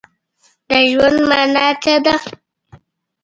د ژوند مانا څه ده؟